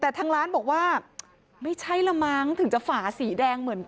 แต่ทางร้านบอกว่าไม่ใช่ละมั้งถึงจะฝาสีแดงเหมือน